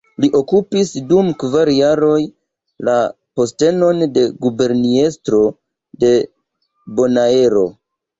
Li okupis dum kvar jaroj la postenon de Guberniestro de Bonaero.